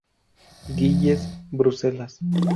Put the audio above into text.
Gilles, Bruselas.